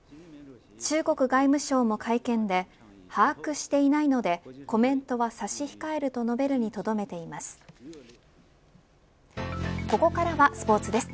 中国外務省も会見で把握していないのでコメントは差し控えると述べるにここからはスポーツです。